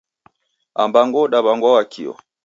Ambango udaw'angwa Wakio